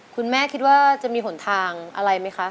คุณแม่คิดว่าจะมีหนทางอะไรไหมคะ